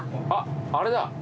あっあれだ。